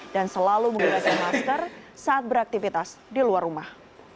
dan selalu menggunakan masker saat beraktivitas di luar rumah